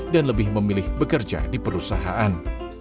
dan lebih memilih bekerja di perusahaan